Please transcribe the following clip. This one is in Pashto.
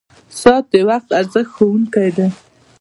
• ساعت د وخت د ارزښت ښوونکی دی.